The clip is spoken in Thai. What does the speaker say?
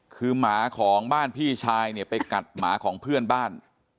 คือหมาของบ้านพี่ชายเนี่ยไปกัดหมาของเพื่อนบ้าน